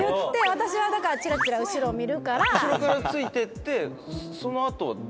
「私はだからチラチラ後ろを見るから」